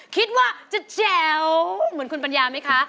คิดว่าจะแจ๋วเหมือนคุณปัญญาไหมคะ